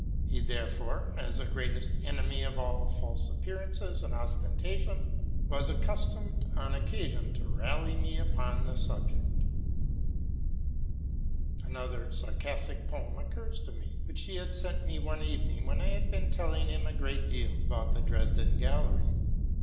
He, therefore, as the ereatest enemy to all semblance and ostentation, was accus tomed, on occasion, to rally me upon the subject. Another sarcastic poem occurs to me, which he sent me one evening, when I had been telling him a great deal about the Dresden gallery.